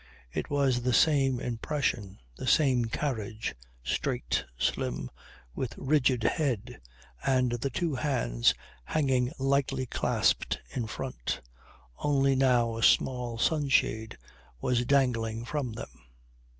It was the same impression, the same carriage, straight, slim, with rigid head and the two hands hanging lightly clasped in front only now a small sunshade was dangling from them.